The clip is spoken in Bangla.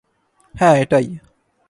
হ্যা, এটাই।